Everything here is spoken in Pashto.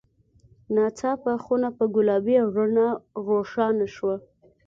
ناڅاپه خونه په ګلابي رڼا روښانه شوه.